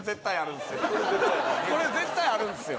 これ絶対あるんですよ